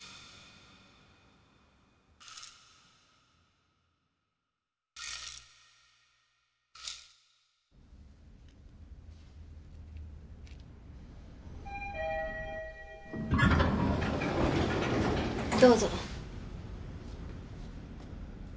どうぞ。